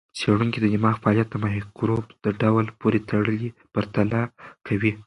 څېړونکي د دماغ فعالیت د مایکروب ډول پورې پرتله کوي.